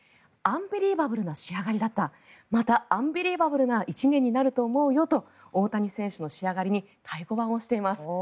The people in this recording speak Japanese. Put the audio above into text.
アンビリーバブルな仕上がりだったまたアンビリーバブルな１年になると思うよと大谷選手の仕上がりに太鼓判を押しています。